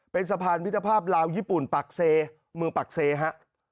เป็นสะพานวิทยาภาพลาวยิปุ่นปากเซปกเซฮะ